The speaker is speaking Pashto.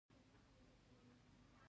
شرق د غرب ګرېوان ته لاس واچوي.